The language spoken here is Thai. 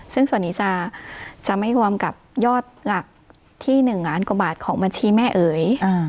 ซึ่งส่วนนี้จะไม่รวมกับยอดหลักที่๑ล้านกว่าบาทของบัญชีแม่เอ๋ย